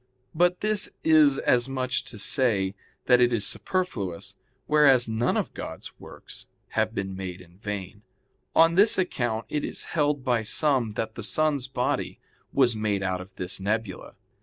But this is as much as to say that it is superfluous, whereas none of God's works have been made in vain. On this account it is held by some that the sun's body was made out of this nebula.